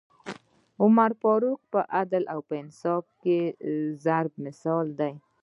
عمر فاروق په عدل او انصاف کي ضَرب مثل دی